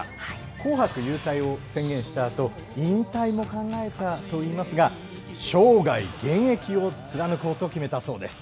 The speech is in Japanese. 紅白勇退を宣言したあと、引退も考えたといいますが、生涯現役を貫こうと決めたそうです。